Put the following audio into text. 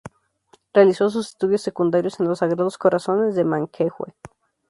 Realizó sus estudios secundarios en los Sagrados Corazones de Manquehue.